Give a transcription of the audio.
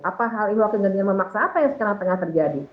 apa hal hal kegentingan memaksa apa yang sekarang tengah terjadi